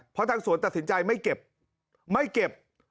เพราะทางสวนตัดสินใจไม่เก็บไม่เก็บ